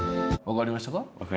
分かりました。